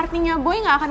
help his soul mengatakan